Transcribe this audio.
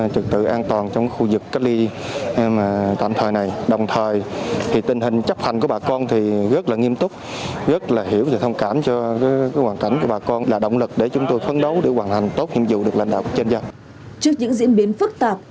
trước những diễn biến phức tạp của dịch bệnh